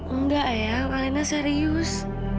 enggak ayah alena serius